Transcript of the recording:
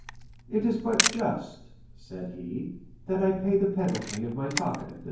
"It is but just," said he, "that I pay the penalty of my talkativeness."